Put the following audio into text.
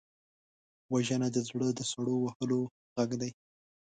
وژنه د زړه د سړو وهلو غږ دی